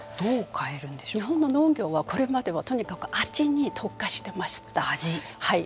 日本の農業はこれまでとにかく味に特化してました。